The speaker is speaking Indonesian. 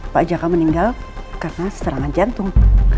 pajakak meninggal karena serangan jantung